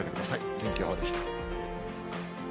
天気予報でした。